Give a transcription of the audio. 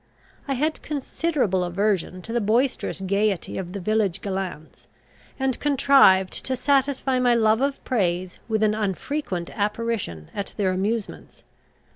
I had considerable aversion to the boisterous gaiety of the village gallants, and contrived to satisfy my love of praise with an unfrequent apparition at their amusements.